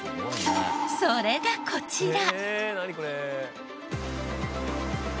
それがこちら。